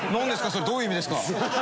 それどういう意味ですか？